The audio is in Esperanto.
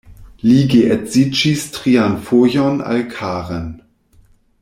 Li geedziĝis trian fojon, al Karen.